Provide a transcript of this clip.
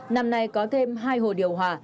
năm nay có thêm hai hồ điều hòa